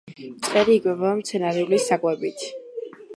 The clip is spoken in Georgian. მწყერი იკვებება მცენარეული საკვებით.